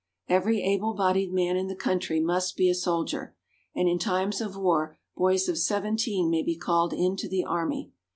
Every able bodied man in the country must be a soldier, and in times of war boys of seventeen may be called into the army.